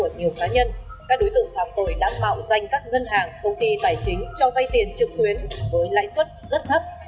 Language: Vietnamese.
các đối tượng phạm tội đã mạo danh các ngân hàng công ty tài chính cho vay tiền trực tuyến với lãi suất rất thấp